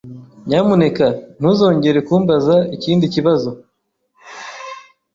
Nyamuneka ntuzongere kumbaza ikindi kibazo.